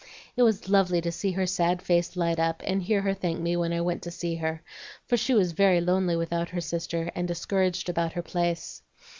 It was lovely to see her sad face light up and hear her thank me when I went to see her, for she was very lonely without her sister, and discouraged about her place.